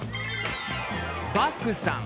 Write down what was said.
バクさん。